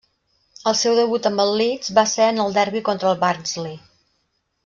El seu debut amb el Leeds va ser en el derbi contra el Barnsley.